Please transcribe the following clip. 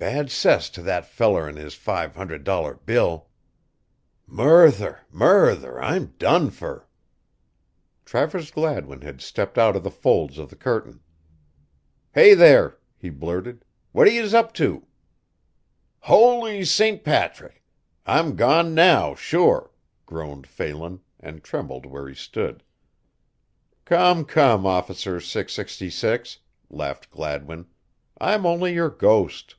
Bad cess to that feller an' his five hundred dollar bill. Murther! Murther! I'm done fer!" Travers Gladwin had stepped out of the folds of the curtain. "Hey, there!" he blurted. "What are youse up to?" "Howly Saint Pathrick! I'm gone now, sure!" groaned Phelan, and trembled where he stood. "Come, come, Officer 666," laughed Gladwin, "I'm only your ghost."